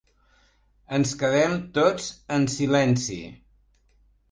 Ens quedem tots en silenci.